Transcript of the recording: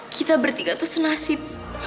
kita bertiga tuh senasib